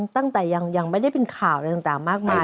ตั้งแต่ยังไม่ได้เป็นข่าวอะไรต่างมากมาย